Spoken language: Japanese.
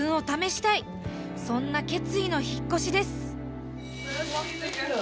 そんな決意の引っ越しです。